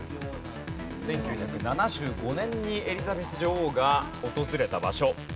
１９７５年にエリザベス女王が訪れた場所。